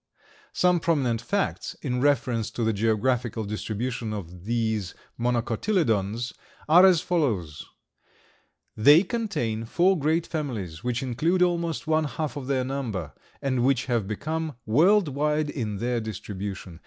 Some prominent facts in reference to the geographical distribution of these Monocotyledons are as follows: They contain four great families, which include almost one half of their number, and which have become world wide in their distribution.